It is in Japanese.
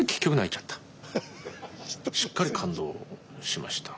しっかり感動しました。